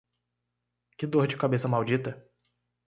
Que dor de cabeça maldita.